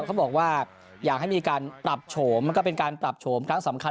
เขาบอกว่าอยากให้มีการปรับโฉมมันก็เป็นการปรับโฉมครั้งสำคัญ